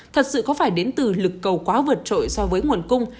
thật sự có phải đến từ lực cầu quá vượt trội so với nguồn cung